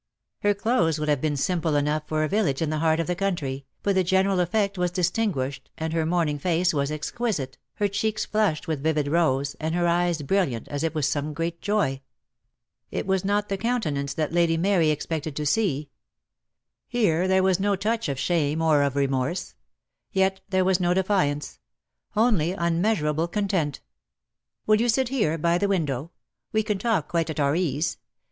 Her clothes would have been simple enough for a village in the heart of the country, but the general effect was distinguished, and her morning face was exquisite, her cheeks flushed with vivid rose, and her eyes brilliant as if with some great joy. It was not the countenance Lady Mary ex 172^ DEAD LOVE HAS CHAINS. pected to see. Here there was no touch of shame or of remorse. Yet there was no defiance: only un measurable content. "Will you sit here, by the window. We can talk quite at our ease.